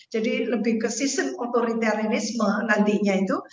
jadi lebih ke sistem otoritarianisme nantinya itu